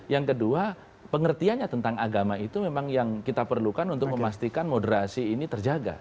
yang kedua pengertiannya tentang agama itu memang yang kita perlukan untuk memastikan moderasi ini terjaga